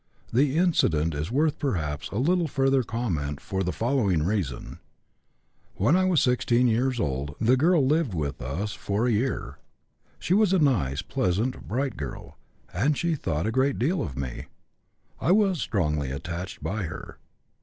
The incident is worth perhaps a little further comment for the following reason: When I was 16 years old the girl lived with us for a year. She was a nice, pleasant, bright girl, and she thought a great deal of me. I was strongly attracted by her.